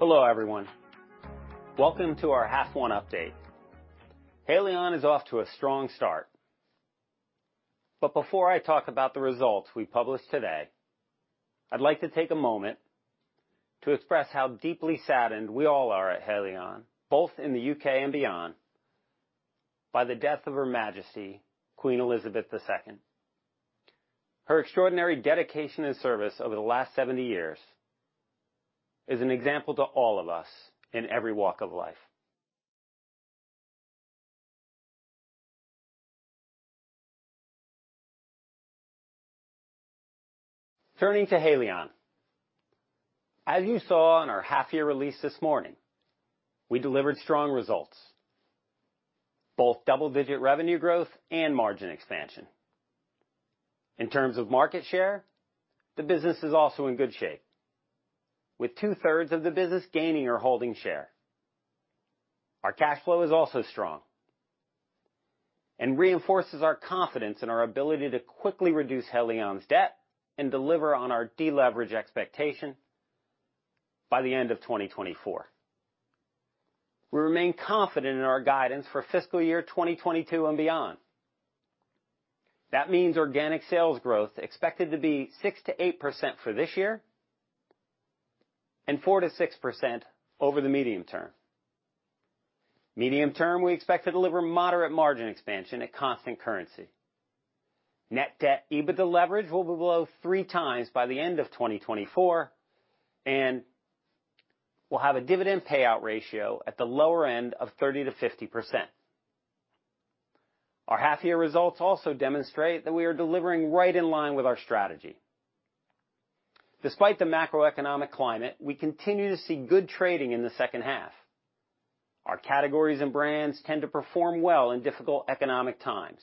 hello, everyone. Welcome to our half one update. Haleon is off to a strong start. Before I talk about the results we published today, I'd like to take a moment to express how deeply saddened we all are at Haleon, both in the U.K. and beyond, by the death of Her Majesty, Queen Elizabeth II. Her extraordinary dedication and service over the last 70 years is an example to all of us in every walk of life. Turning to Haleon. As you saw in our half year release this morning, we delivered strong results, both double-digit revenue growth and margin expansion. In terms of market share, the business is also in good shape, with 2/3 of the business gaining or holding share. Our cash flow is also strong and reinforces our confidence in our ability to quickly reduce Haleon's debt and deliver on our deleverage expectation by the end of 2024. We remain confident in our guidance for fiscal year 2022 and beyond. That means organic sales growth expected to be 6%-8% for this year, and 4%-6% over the medium term. Medium term, we expect to deliver moderate margin expansion at constant currency. Net debt, EBITDA leverage will be below 3x by the end of 2024, and we'll have a dividend payout ratio at the lower end of 30%-50%. Our half-year results also demonstrate that we are delivering right in line with our strategy. Despite the macroeconomic climate, we continue to see good trading in the second half. Our categories and brands tend to perform well in difficult economic times.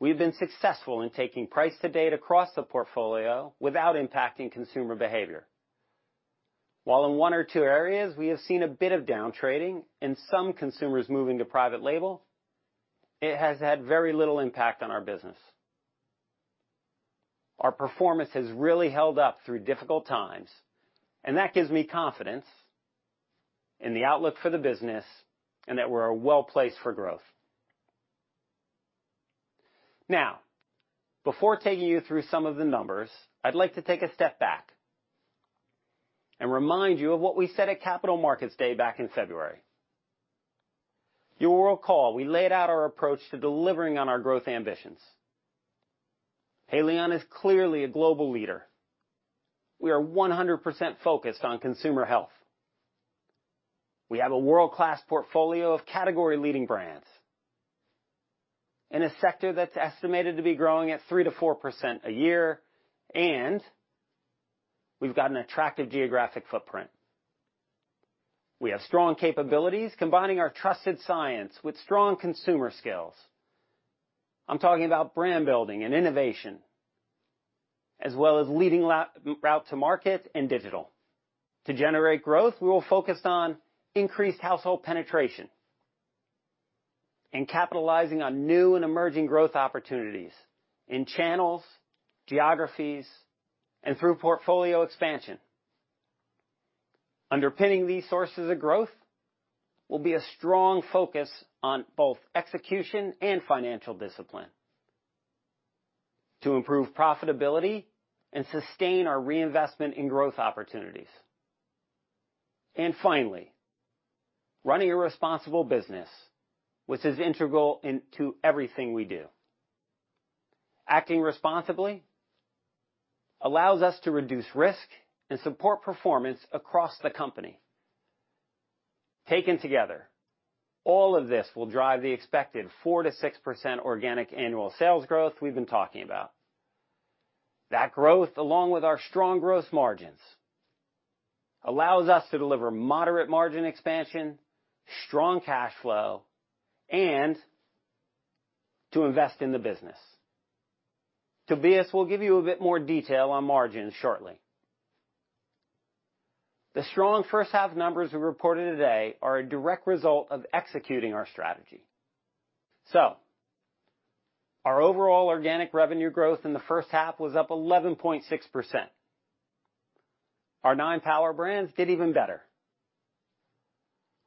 We've been successful in taking price to date across the portfolio without impacting consumer behavior. While in one or two areas we have seen a bit of down trading and some consumers moving to private label, it has had very little impact on our business. Our performance has really held up through difficult times, and that gives me confidence in the outlook for the business and that we're well-placed for growth. Now, before taking you through some of the numbers, I'd like to take a step back and remind you of what we said at Capital Markets Day back in February. You will recall we laid out our approach to delivering on our growth ambitions. Haleon is clearly a global leader. We are 100% focused on consumer health. We have a world-class portfolio of category-leading brands in a sector that's estimated to be growing at 3%-4% a year, and we've got an attractive geographic footprint. We have strong capabilities, combining our trusted science with strong consumer skills. I'm talking about brand building and innovation, as well as leading route to market and digital. To generate growth, we will focus on increased household penetration and capitalizing on new and emerging growth opportunities in channels, geographies, and through portfolio expansion. Underpinning these sources of growth will be a strong focus on both execution and financial discipline to improve profitability and sustain our reinvestment in growth opportunities. Finally, running a responsible business, which is integral into everything we do. Acting responsibly allows us to reduce risk and support performance across the company. Taken together, all of this will drive the expected 4%-6% organic annual sales growth we've been talking about. That growth, along with our strong growth margins, allows us to deliver moderate margin expansion, strong cash flow, and to invest in the business. Tobias will give you a bit more detail on margins shortly. The strong first half numbers we reported today are a direct result of executing our strategy. Our overall organic revenue growth in the first half was up 11.6%. Our nine power brands did even better,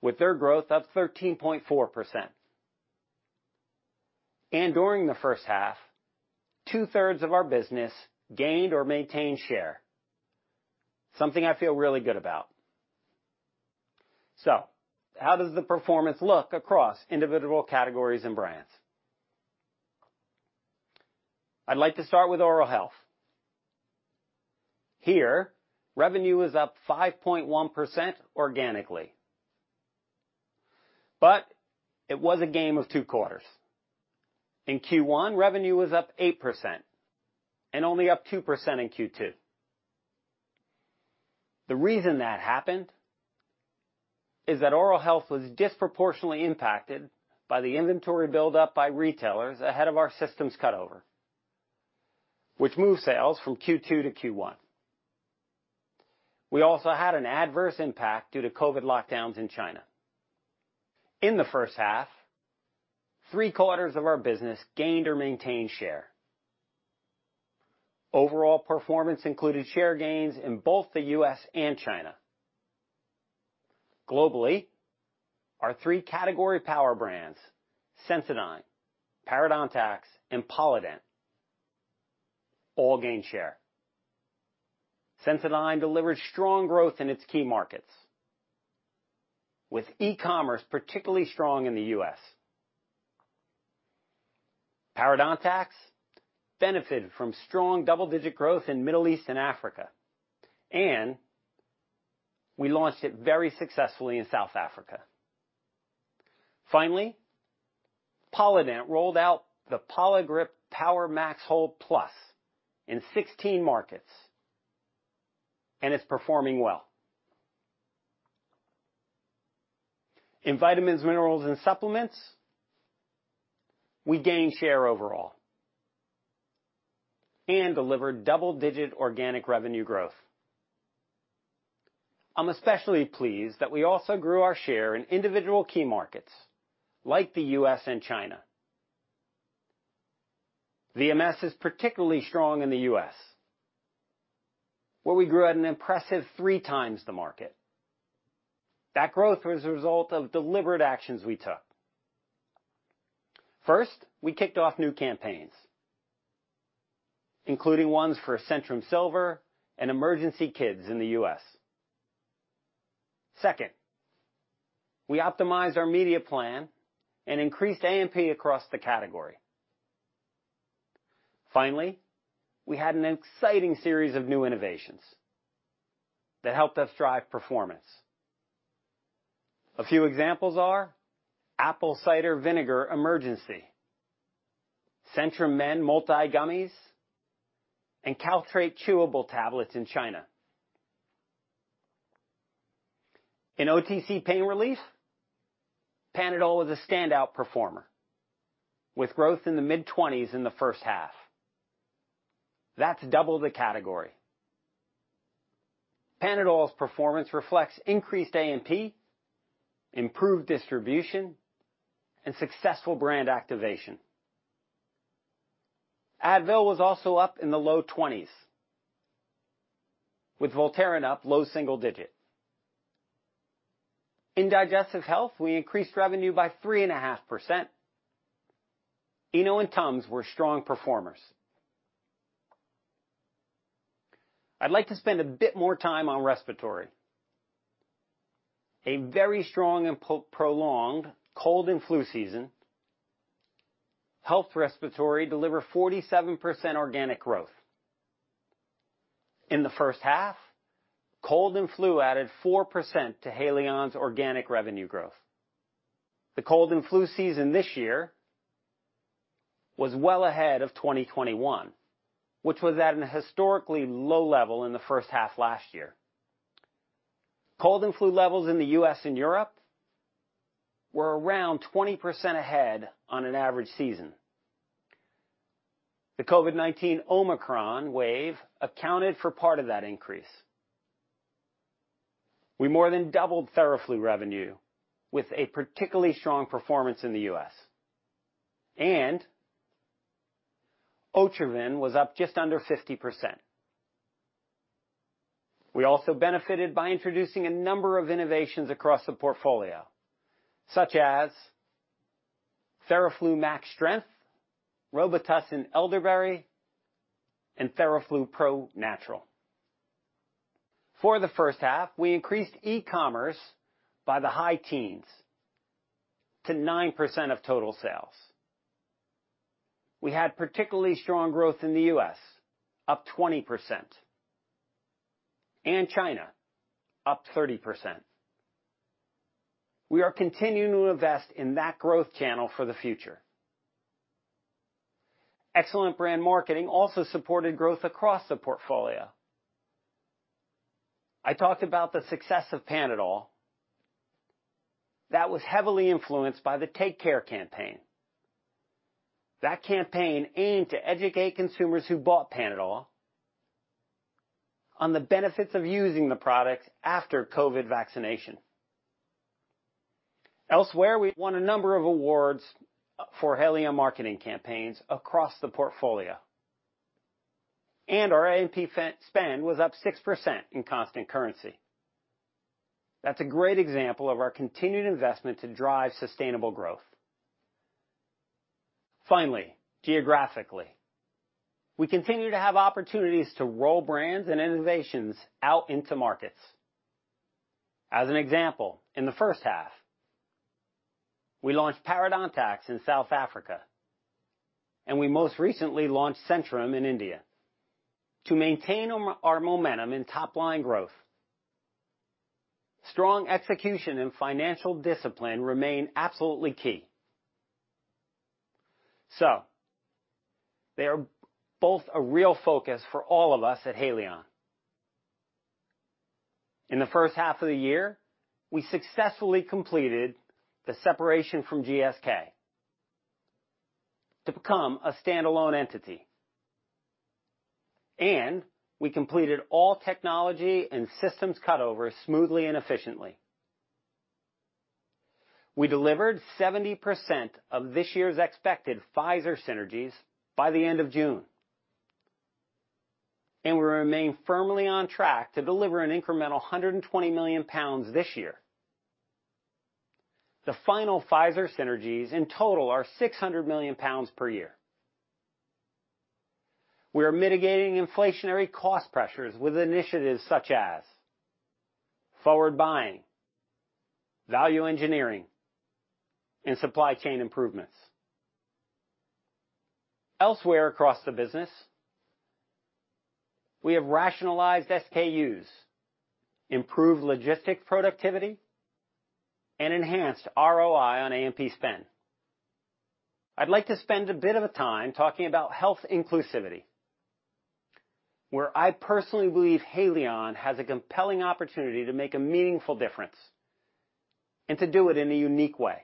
with their growth up 13.4%. During the first half, two-thirds of our business gained or maintained share, something I feel really good about. How does the performance look across individual categories and brands? I'd like to start with oral health. Here, revenue is up 5.1% organically. It was a game of two quarters. In Q1, revenue was up 8% and only up 2% in Q2. The reason that happened is that oral health was disproportionately impacted by the inventory build-up by retailers ahead of our systems cut over, which moved sales from Q2 to Q1. We also had an adverse impact due to COVID lockdowns in China. In the first half, three-quarters of our business gained or maintained share. Overall performance included share gains in both the U.S. and China. Globally, our three category power brands, Sensodyne, Parodontax, and Polident, all gained share. Sensodyne delivered strong growth in its key markets, with e-commerce particularly strong in the U.S. Parodontax benefited from strong double-digit growth in Middle East and Africa, and we launched it very successfully in South Africa. Finally, Polident rolled out the Poligrip Power Max Hold+ in 16 markets, and it's performing well. In vitamins, minerals, and supplements, we gained share overall and delivered double-digit organic revenue growth. I'm especially pleased that we also grew our share in individual key markets like the U.S. and China. VMS is particularly strong in the U.S., where we grew at an impressive 3x the market. That growth was a result of deliberate actions we took. First, we kicked off new campaigns, including ones for Centrum Silver and Emergen-C Kidz in the U.S. Second, we optimized our media plan and increased A&P across the category. Finally, we had an exciting series of new innovations that helped us drive performance. A few examples are Emergen-C Apple Cider Vinegar, Centrum MultiGummies Men, and Caltrate chewable tablets in China. In OTC pain relief, Panadol is a standout performer, with growth in the mid-20s% in the first half. That's double the category. Panadol's performance reflects increased A&P, improved distribution, and successful brand activation. Advil was also up in the low 20s%, with Voltaren up low single digits%. In digestive health, we increased revenue by 3.5%. ENO and TUMS were strong performers. I'd like to spend a bit more time on respiratory. A very strong and prolonged cold and flu season helped respiratory deliver 47% organic growth. In the first half, cold and flu added 4% to Haleon's organic revenue growth. The cold and flu season this year was well ahead of 2021, which was at a historically low level in the first half last year. Cold and flu levels in the U.S. and Europe were around 20% ahead on an average season. The COVID-19 Omicron wave accounted for part of that increase. We more than doubled Theraflu revenue with a particularly strong performance in the U.S., and Otrivin was up just under 50%. We also benefited by introducing a number of innovations across the portfolio, such as Theraflu Max Strength, Robitussin Elderberry, and Theraflu Pro Natural. For the first half, we increased e-commerce by the high teens to 9% of total sales. We had particularly strong growth in the U.S., up 20%, and China, up 30%. We are continuing to invest in that growth channel for the future. Excellent brand marketing also supported growth across the portfolio. I talked about the success of Panadol. That was heavily influenced by the Take Care campaign. That campaign aimed to educate consumers who bought Panadol on the benefits of using the product after COVID vaccination. Elsewhere, we won a number of awards for Haleon marketing campaigns across the portfolio, and our A&P spend was up 6% in constant currency. That's a great example of our continued investment to drive sustainable growth. Finally, geographically, we continue to have opportunities to roll brands and innovations out into markets. As an example, in the first half, we launched Parodontax in South Africa, and we most recently launched Centrum in India. To maintain our momentum in top-line growth, strong execution and financial discipline remain absolutely key. They are both a real focus for all of us at Haleon. In the first half of the year, we successfully completed the separation from GSK to become a standalone entity. We completed all technology and systems cutovers smoothly and efficiently. We delivered 70% of this year's expected Pfizer synergies by the end of June. We remain firmly on track to deliver an incremental 120 million pounds this year. The final Pfizer synergies in total are 600 million pounds per year. We are mitigating inflationary cost pressures with initiatives such as forward buying, value engineering, and supply chain improvements. Elsewhere across the business, we have rationalized SKUs, improved logistic productivity, and enhanced ROI on A&P spend. I'd like to spend a bit of a time talking about health inclusivity, where I personally believe Haleon has a compelling opportunity to make a meaningful difference and to do it in a unique way.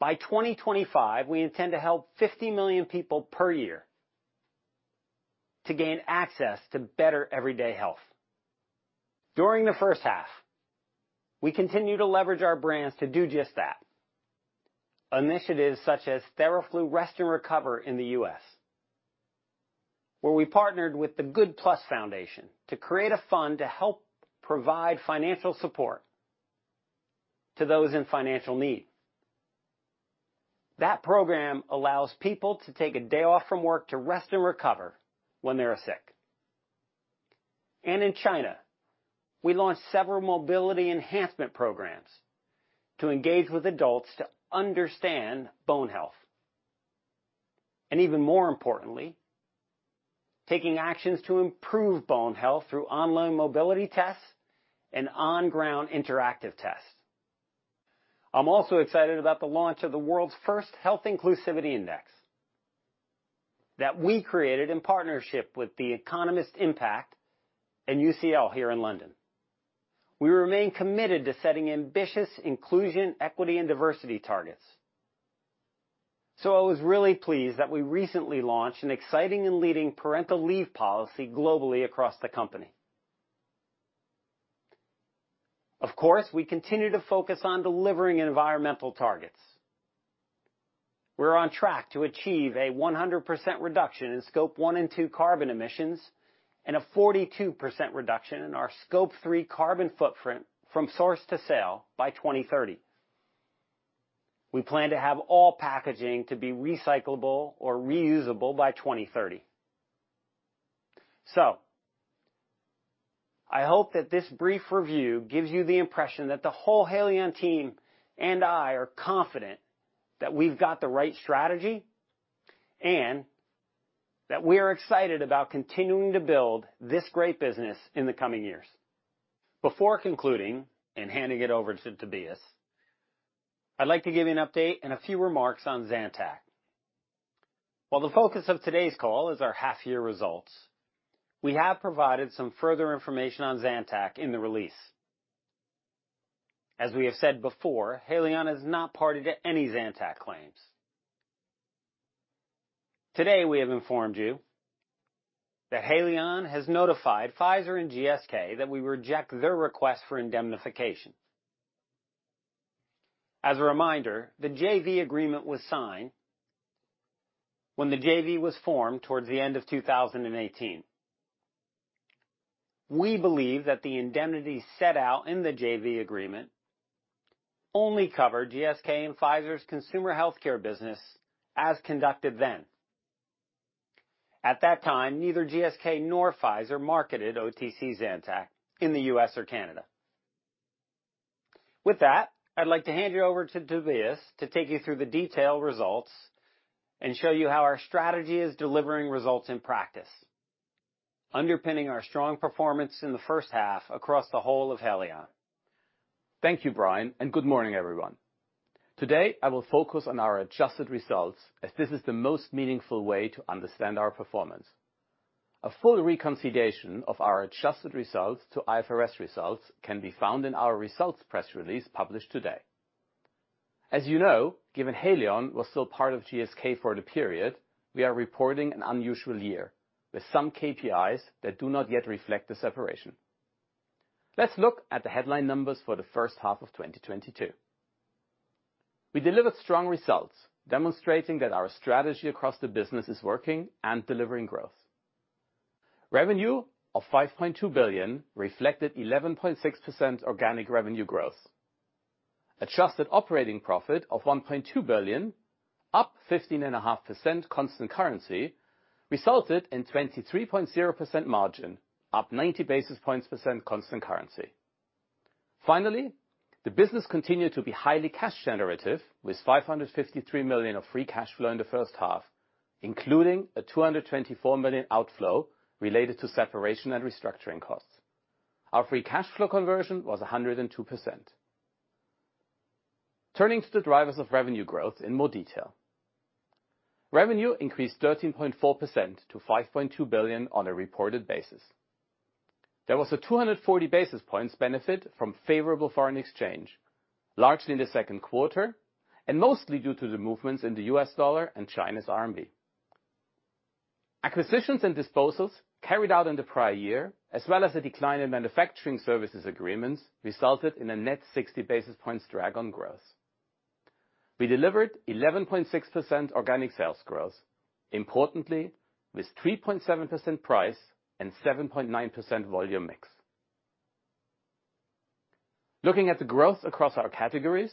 By 2025, we intend to help 50 million people per year to gain access to better everyday health. During the first half, we continue to leverage our brands to do just that. Initiatives such as Theraflu Rest & Recover in the U.S., where we partnered with the Good+ Foundation to create a fund to help provide financial support to those in financial need. That program allows people to take a day off from work to rest and recover when they are sick. In China, we launched several mobility enhancement programs to engage with adults to understand bone health, and even more importantly, taking actions to improve bone health through online mobility tests and on-ground interactive tests. I'm also excited about the launch of the world's first Health Inclusivity Index that we created in partnership with Economist Impact and UCL here in London. We remain committed to setting ambitious inclusion, equity, and diversity targets. I was really pleased that we recently launched an exciting and leading parental leave policy globally across the company. Of course, we continue to focus on delivering environmental targets. We're on track to achieve a 100% reduction in Scope 1 and Scope 2 carbon emissions and a 42% reduction in our Scope 3 carbon footprint from source to sale by 2030. We plan to have all packaging to be recyclable or reusable by 2030. I hope that this brief review gives you the impression that the whole Haleon team and I are confident that we've got the right strategy and that we are excited about continuing to build this great business in the coming years. Before concluding and handing it over to Tobias, I'd like to give you an update and a few remarks on Zantac. While the focus of today's call is our half-year results, we have provided some further information on Zantac in the release. As we have said before, Haleon is not party to any Zantac claims. Today, we have informed you that Haleon has notified Pfizer and GSK that we reject their request for indemnification. As a reminder, the JV agreement was signed when the JV was formed towards the end of 2018. We believe that the indemnity set out in the JV agreement only cover GSK and Pfizer's consumer healthcare business as conducted then. At that time, neither GSK nor Pfizer marketed OTC Zantac in the U.S. or Canada. With that, I'd like to hand you over to Tobias to take you through the detailed results and show you how our strategy is delivering results in practice. Underpinning our strong performance in the first half across the whole of Haleon. Thank you, Brian, and good morning, everyone. Today, I will focus on our adjusted results as this is the most meaningful way to understand our performance. A full reconciliation of our adjusted results to IFRS results can be found in our results press release published today. As you know, given Haleon was still part of GSK for the period, we are reporting an unusual year with some KPIs that do not yet reflect the separation. Let's look at the headline numbers for the first half of 2022. We delivered strong results, demonstrating that our strategy across the business is working and delivering growth. Revenue of 5.2 billion reflected 11.6% organic revenue growth. Adjusted operating profit of 1.2 billion, up 15.5% constant currency, resulted in 23.0% margin, up 90 basis points constant currency. The business continued to be highly cash generative, with 553 million of free cash flow in the first half, including a 224 million outflow related to separation and restructuring costs. Our free cash flow conversion was 102%. Turning to the drivers of revenue growth in more detail. Revenue increased 13.4% to 5.2 billion on a reported basis. There was a 240 basis points benefit from favorable foreign exchange, largely in the second quarter, and mostly due to the movements in the US dollar and China's RMB. Acquisitions and disposals carried out in the prior year, as well as a decline in manufacturing services agreements, resulted in a net 60 basis points drag on growth. We delivered 11.6% organic sales growth, importantly with 3.7% price and 7.9% volume mix. Looking at the growth across our categories,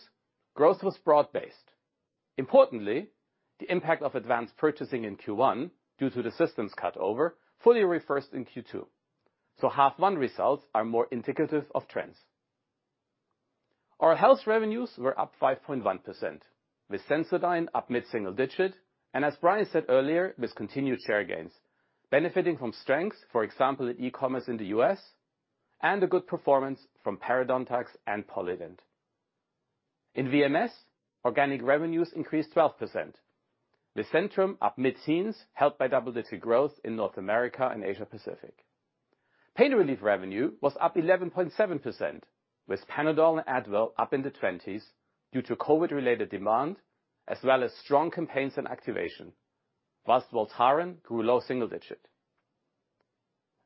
growth was broad based. Importantly, the impact of advanced purchasing in Q1, due to the systems cut over, fully reversed in Q2, so half one results are more indicative of trends. Our health revenues were up 5.1%, with Sensodyne up mid-single digit and, as Brian said earlier, with continued share gains, benefiting from strength, for example, in e-commerce in the U.S., and a good performance from Parodontax and Polident. In VMS, organic revenues increased 12%, with Centrum up mid-teens, helped by double-digit growth in North America and Asia Pacific. Pain relief revenue was up 11.7% with Panadol and Advil up in the 20s due to COVID-related demand as well as strong campaigns and activation, while Voltaren grew low single digit.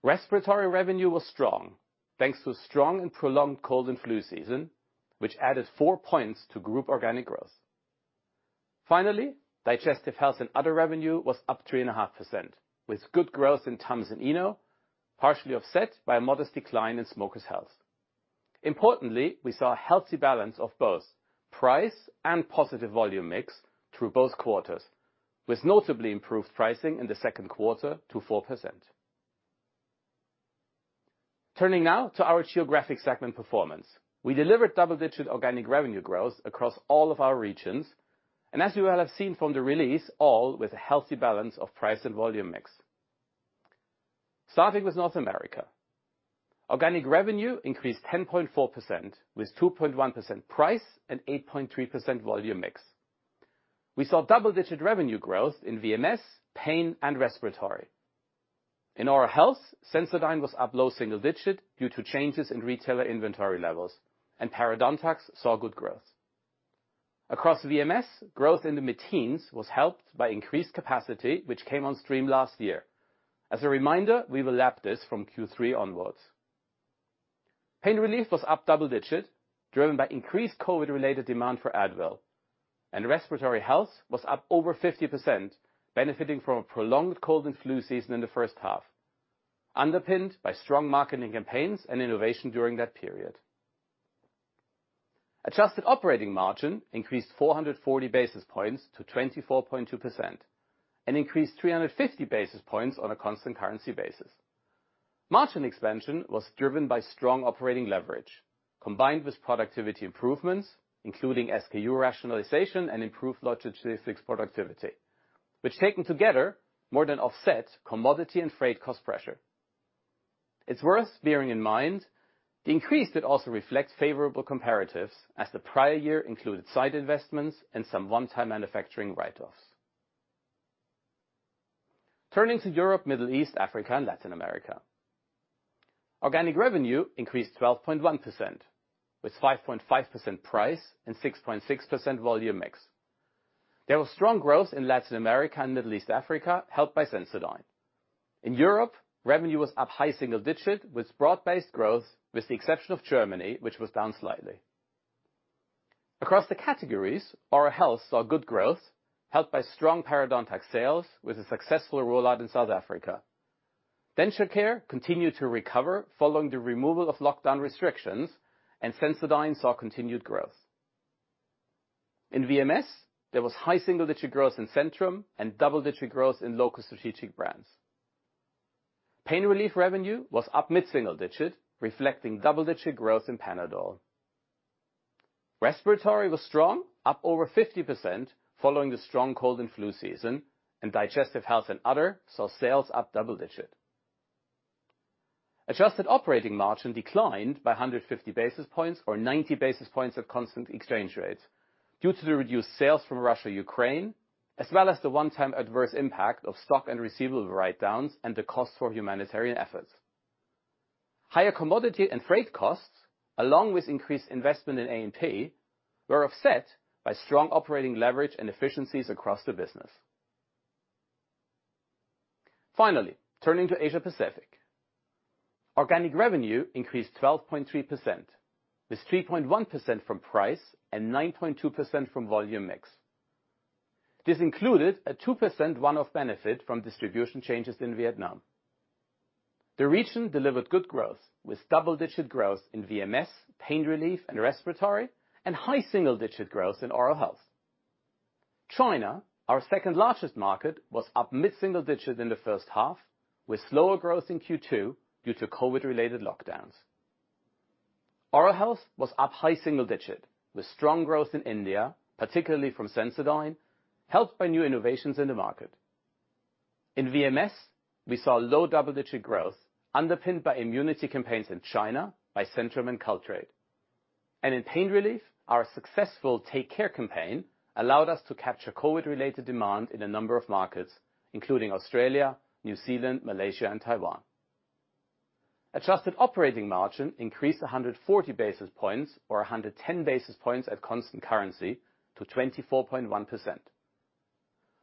Respiratory revenue was strong, thanks to a strong and prolonged cold and flu season, which added 4 points to group organic growth. Finally, digestive health and other revenue was up 3.5% with good growth in TUMS and ENO, partially offset by a modest decline in Smokers Health. Importantly, we saw a healthy balance of both price and positive volume mix through both quarters, with notably improved pricing in the second quarter to 4%. Turning now to our geographic segment performance. We delivered double-digit organic revenue growth across all of our regions, and as you will have seen from the release, all with a healthy balance of price and volume mix. Starting with North America. Organic revenue increased 10.4% with 2.1% price and 8.3% volume mix. We saw double-digit revenue growth in VMS, pain, and respiratory. In Oral Health, Sensodyne was up low single digit due to changes in retailer inventory levels, and Parodontax saw good growth. Across VMS, growth in the mid-teens was helped by increased capacity, which came on stream last year. As a reminder, we will lap this from Q3 onwards. Pain relief was up double-digit, driven by increased COVID-related demand for Advil, and respiratory health was up over 50%, benefiting from a prolonged cold and flu season in the first half, underpinned by strong marketing campaigns and innovation during that period. Adjusted operating margin increased 440 basis points to 24.2% and increased 350 basis points on a constant currency basis. Margin expansion was driven by strong operating leverage combined with productivity improvements, including SKU rationalization and improved logistics productivity, which taken together more than offset commodity and freight cost pressure. It's worth bearing in mind the increase did also reflect favorable comparatives as the prior year included site investments and some one-time manufacturing write-offs. Turning to Europe, Middle East, Africa, and Latin America. Organic revenue increased 12.1% with 5.5% price and 6.6% volume mix. There was strong growth in Latin America and Middle East Africa, helped by Sensodyne. In Europe, revenue was up high single-digit with broad-based growth with the exception of Germany, which was down slightly. Across the categories, Oral Health saw good growth, helped by strong Parodontax sales with a successful rollout in South Africa. Denture Care continued to recover following the removal of lockdown restrictions, and Sensodyne saw continued growth. In VMS, there was high single-digit growth in Centrum and double-digit growth in local strategic brands. Pain relief revenue was up mid-single-digit, reflecting double-digit growth in Panadol. Respiratory was strong, up over 50% following the strong cold and flu season, and Digestive Health and Other saw sales up double-digit. Adjusted operating margin declined by 150 basis points or 90 basis points at constant exchange rates due to the reduced sales from Russia/Ukraine, as well as the one-time adverse impact of stock and receivable write-downs and the cost for humanitarian efforts. Higher commodity and freight costs, along with increased investment in A&P, were offset by strong operating leverage and efficiencies across the business. Finally, turning to Asia Pacific. Organic revenue increased 12.3% with 3.1% from price and 9.2% from volume mix. This included a 2% one-off benefit from distribution changes in Vietnam. The region delivered good growth with double-digit growth in VMS, pain relief, and respiratory, and high single-digit growth in Oral Health. China, our second-largest market, was up mid-single digit in the first half with slower growth in Q2 due to COVID-related lockdowns. Oral Health was up high single digit with strong growth in India, particularly from Sensodyne, helped by new innovations in the market. In VMS, we saw low double-digit growth underpinned by immunity campaigns in China by Centrum and Culturelle. In pain relief, our successful Take Care campaign allowed us to capture COVID-related demand in a number of markets, including Australia, New Zealand, Malaysia, and Taiwan. Adjusted operating margin increased 140 basis points, or 110 basis points at constant currency to 24.1%.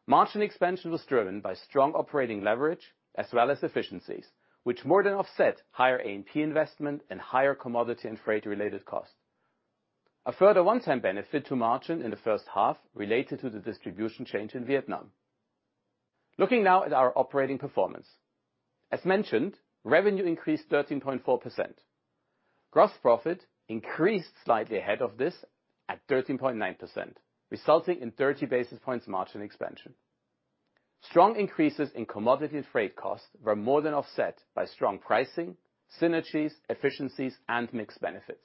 Margin expansion was driven by strong operating leverage as well as efficiencies, which more than offset higher A&P investment and higher commodity and freight-related costs. A further one-time benefit to margin in the first half related to the distribution change in Vietnam. Looking now at our operating performance. As mentioned, revenue increased 13.4%. Gross profit increased slightly ahead of this at 13.9%, resulting in 30 basis points margin expansion. Strong increases in commodity and freight costs were more than offset by strong pricing, synergies, efficiencies, and mix benefits.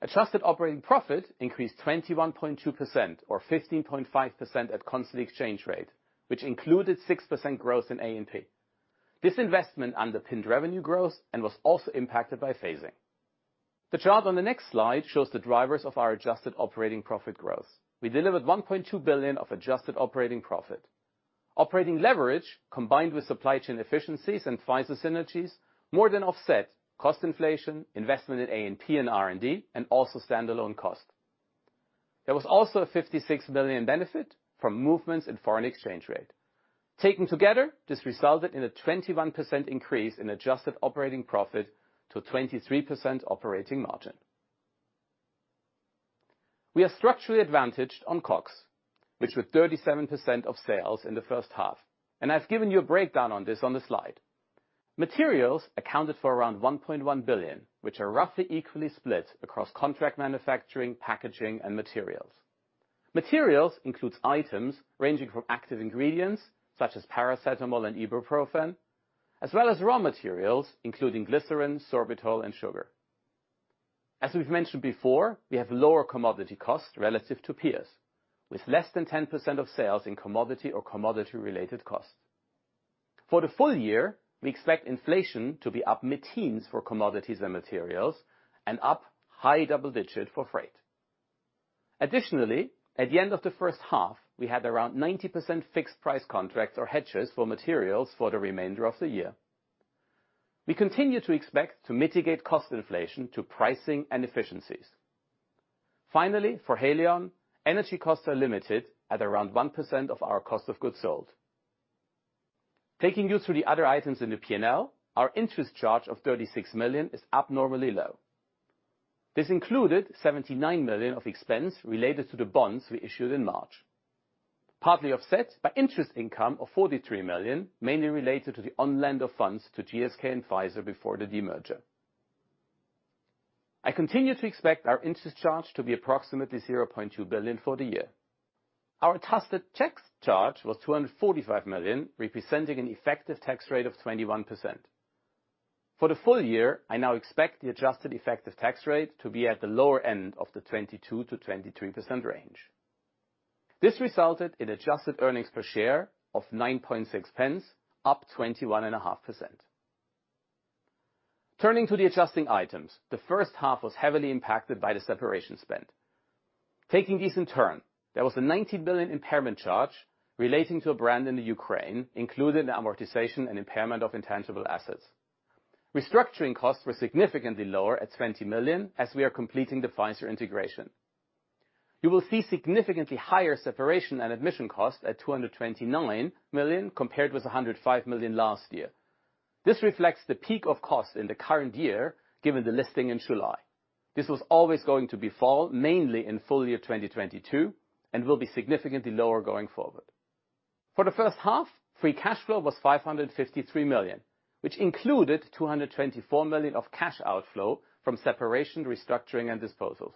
Adjusted operating profit increased 21.2% or 15.5% at constant exchange rate, which included 6% growth in A&P. This investment underpinned revenue growth and was also impacted by phasing. The chart on the next slide shows the drivers of our adjusted operating profit growth. We delivered 1.2 billion of adjusted operating profit. Operating leverage, combined with supply chain efficiencies and Pfizer synergies more than offset cost inflation, investment in A&P and R&D, and also stand-alone cost. There was also a 56 million benefit from movements in foreign exchange rate. Taken together, this resulted in a 21% increase in adjusted operating profit to 23% operating margin. We are structurally advantaged on COGS, which were 37% of sales in the first half, and I've given you a breakdown on this on the slide. Materials accounted for around 1.1 billion, which are roughly equally split across contract manufacturing, packaging, and materials. Materials includes items ranging from active ingredients such as paracetamol and ibuprofen, as well as raw materials including glycerin, sorbitol, and sugar. As we've mentioned before, we have lower commodity costs relative to peers, with less than 10% of sales in commodity or commodity-related costs. For the full year, we expect inflation to be up mid-teens for commodities and materials and up high double digits for freight. Additionally, at the end of the first half, we had around 90% fixed price contracts or hedges for materials for the remainder of the year. We continue to expect to mitigate cost inflation to pricing and efficiencies. Finally, for Haleon, energy costs are limited at around 1% of our cost of goods sold. Taking you through the other items in the P&L, our interest charge of 36 million is abnormally low. This included 79 million of expense related to the bonds we issued in March, partly offset by interest income of 43 million, mainly related to the on-lend of funds to GSK and Pfizer before the demerger. I continue to expect our interest charge to be approximately 0.2 billion for the year. Our adjusted tax charge was 245 million, representing an effective tax rate of 21%. For the full year, I now expect the adjusted effective tax rate to be at the lower end of the 22%-23% range. This resulted in adjusted earnings per share of 9.6 pence, up 21.5%. Turning to the adjusting items. The first half was heavily impacted by the separation spend. Taking these in turn, there was a 90 million impairment charge relating to a brand in the Ukraine, including the amortization and impairment of intangible assets. Restructuring costs were significantly lower at 20 million as we are completing the Pfizer integration. You will see significantly higher separation and admission costs at 229 million, compared with 105 million last year. This reflects the peak of costs in the current year, given the listing in July. This was always going to be a fall, mainly in full year 2022, and will be significantly lower going forward. For the first half, free cash flow was 553 million, which included 224 million of cash outflow from separation, restructuring, and disposals.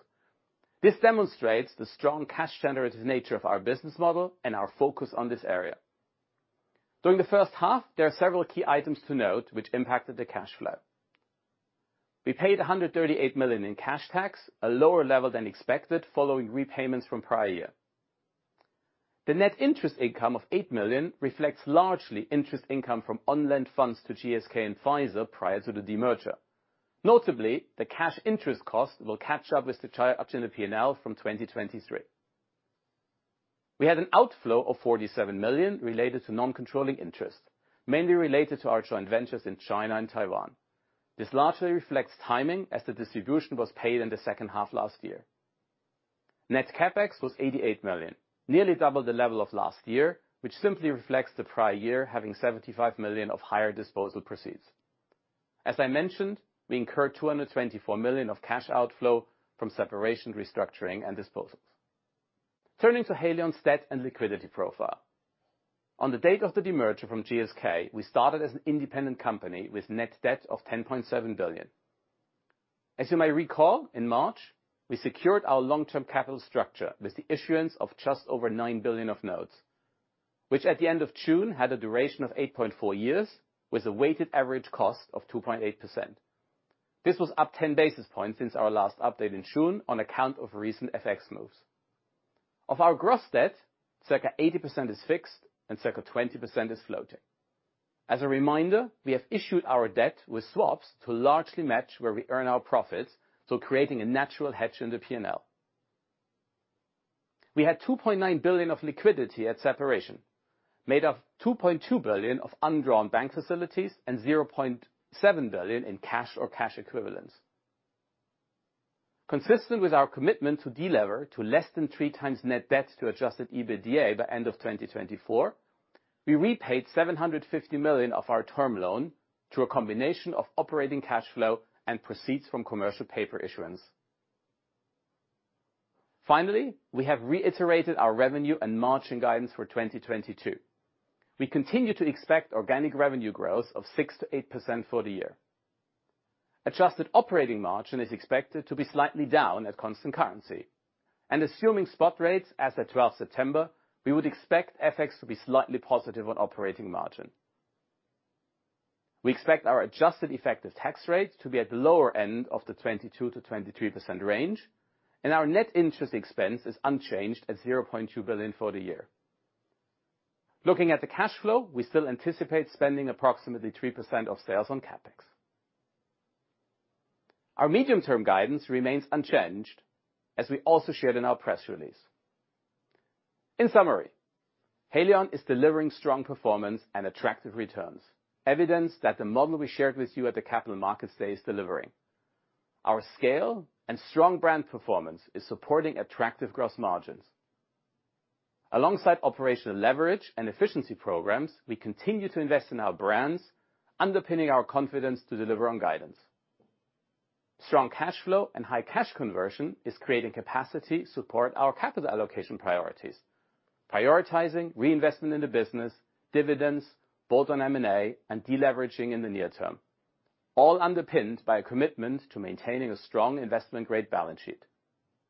This demonstrates the strong cash generative nature of our business model and our focus on this area. During the first half, there are several key items to note which impacted the cash flow. We paid 138 million in cash tax, a lower level than expected following repayments from prior year. The net interest income of 8 million reflects largely interest income from on-lend funds to GSK and Pfizer prior to the demerger. Notably, the cash interest cost will catch up with the true-up in the P&L from 2023. We had an outflow of 47 million related to non-controlling interests, mainly related to our joint ventures in China and Taiwan. This largely reflects timing as the distribution was paid in the second half last year. Net CapEx was 88 million, nearly double the level of last year, which simply reflects the prior year having 75 million of higher disposal proceeds. As I mentioned, we incurred 224 million of cash outflow from separation, restructuring, and disposals. Turning to Haleon's debt and liquidity profile. On the date of the demerger from GSK, we started as an independent company with net debt of 10.7 billion. As you may recall, in March, we secured our long-term capital structure with the issuance of just over 9 billion of notes, which at the end of June had a duration of 8.4 years with a weighted average cost of 2.8%. This was up 10 basis points since our last update in June on account of recent FX moves. Of our gross debt, circa 80% is fixed and circa 20% is floating. As a reminder, we have issued our debt with swaps to largely match where we earn our profits, so creating a natural hedge in the P&L. We had 2.9 billion of liquidity at separation, made of 2.2 billion of undrawn bank facilities and 0.7 billion in cash or cash equivalents. Consistent with our commitment to delever to less than three times net debt to adjusted EBITDA by end of 2024, we repaid 750 million of our term loan through a combination of operating cash flow and proceeds from commercial paper issuance. Finally, we have reiterated our revenue and margin guidance for 2022. We continue to expect organic revenue growth of 6%-8% for the year. Adjusted operating margin is expected to be slightly down at constant currency. Assuming spot rates as at 12 September, we would expect FX to be slightly positive on operating margin. We expect our adjusted effective tax rate to be at the lower end of the 22%-23% range, and our net interest expense is unchanged at 0.2 billion for the year. Looking at the cash flow, we still anticipate spending approximately 3% of sales on CapEx. Our medium-term guidance remains unchanged, as we also shared in our press release. In summary, Haleon is delivering strong performance and attractive returns, evidence that the model we shared with you at the Capital Markets Day is delivering. Our scale and strong brand performance is supporting attractive gross margins. Alongside operational leverage and efficiency programs, we continue to invest in our brands, underpinning our confidence to deliver on guidance. Strong cash flow and high cash conversion is creating capacity to support our capital allocation priorities, prioritizing reinvestment in the business, dividends, bolt-on M&A, and deleveraging in the near term, all underpinned by a commitment to maintaining a strong investment-grade balance sheet.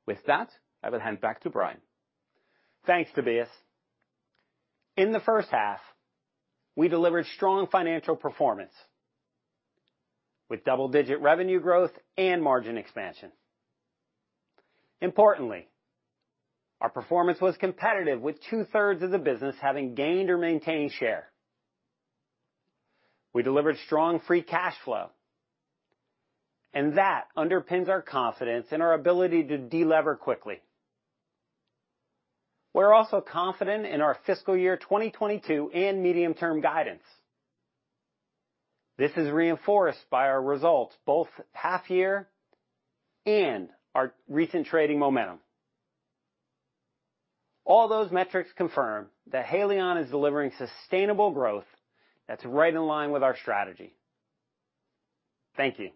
With that, I will hand back to Brian. Thanks, Tobias. In the first half, we delivered strong financial performance with double-digit revenue growth and margin expansion. Importantly, our performance was competitive with two-thirds of the business having gained or maintained share. We delivered strong free cash flow, and that underpins our confidence in our ability to delever quickly. We're also confident in our fiscal year 2022 and medium-term guidance. This is reinforced by our results, both half year and our recent trading momentum. All those metrics confirm that Haleon is delivering sustainable growth that's right in line with our strategy. Thank you.